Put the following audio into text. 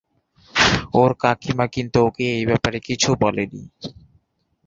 ওর কাকিমা কিন্তু ওকে এই ব্যাপারে কিছু বলেনি।